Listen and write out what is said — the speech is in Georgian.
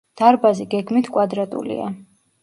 დარბაზი გეგმით კვადრატულია.